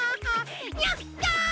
やった！